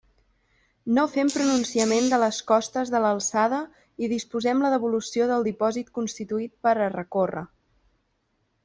No fem pronunciament de les costes de l'alçada i disposem la devolució del dipòsit constituït per a recórrer.